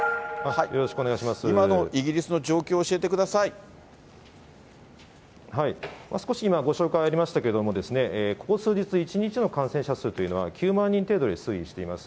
今のイギリスの状況、少し今、ご紹介ありましたけども、ここ数日、１日の感染者数というのは、９万人程度で推移しています。